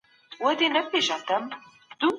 که ښوونکی وخت ورکړي، پوښتنې بې ځوابه نه پاتې کېږي.